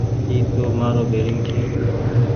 اي تو مآرو بيرينگ ڇي۔